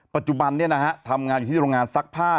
ปัจจุบันทำงานอยู่ที่โรงงานซักผ้า